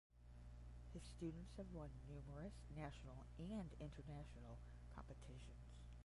His students have won numerous national and international competitions.